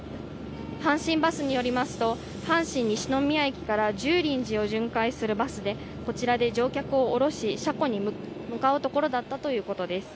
阪神バスによりますと阪神西宮を巡回するバスでこちらで乗客を降ろし車庫に向かうところだったということです。